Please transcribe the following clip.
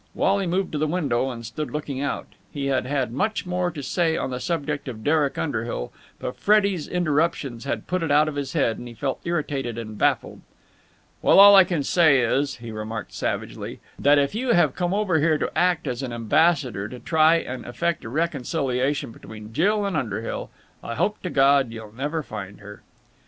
Wally moved to the window, and stood looking out. He had had much more to say on the subject of Derek Underhill, but Freddie's interruptions had put it out of his head, and he felt irritated and baffled. "Well, all I can say is," he remarked savagely, "that, if you have come over here as an ambassador to try and effect a reconciliation between Jill and Underhill, I hope to God you'll never find her."